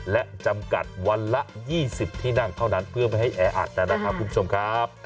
และจำกัดวันละ๒๐ที่นั่งเท่านั้นเพื่อไม่ให้แออัดนะครับคุณผู้ชมครับ